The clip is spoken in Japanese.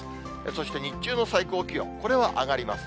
そして日中の最高気温、これは上がります。